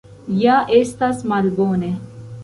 Ja estas malbone!